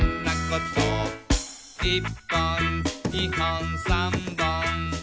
「１ぽん２ほん３ぼん」